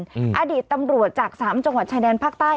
อดีตตำรวจจากสามจังหวัดชายแดนภาคใต้